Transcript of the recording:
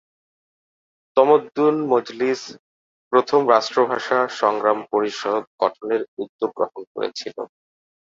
তমদ্দুন মজলিস প্রথম রাষ্ট্রভাষা সংগ্রাম পরিষদ গঠনের উদ্যোগ গ্রহণ করেছিল।